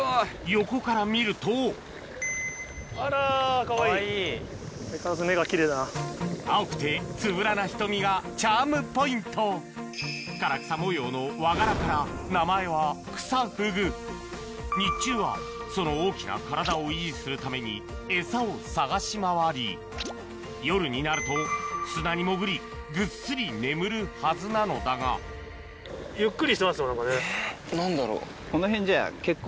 横から見ると青くてつぶらな瞳がチャームポイントの和柄から名前はクサフグ日中はその大きな体を維持するためにエサを探し回り夜になると砂に潜りぐっすり眠るはずなのだが何でだろう？